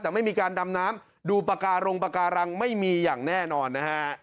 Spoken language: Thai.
แต่ไม่มีการดำน้ำดูปากการงปากการังไม่มีอย่างแน่นอนนะฮะ